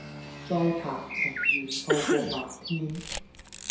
再談情願錯過白天